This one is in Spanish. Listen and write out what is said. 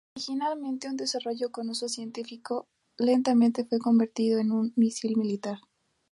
Originalmente un desarrollo con uso científico, lentamente fue convertido en un misil militar.